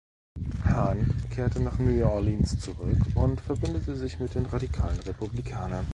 Hahn kehrte nach New Orleans zurück und verbündete sich mit den radikalen Republikanern.